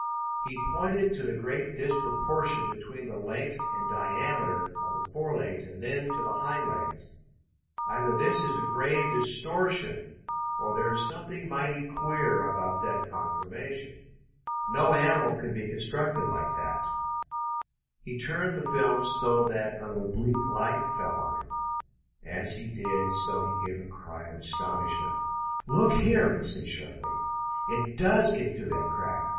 He pointed to the great disproportion between the length and diameter of the forelegs, and then to the hind legs. "Either this is grave distortion or there is something mighty queer about that conformation. No animal could be constructed like that." He turned the film so that an oblique light fell on it. As he did so he gave a cry of astonishment. "Look here!" he said sharply. "It does get through that crack!